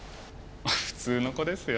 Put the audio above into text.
普通の子ですよ。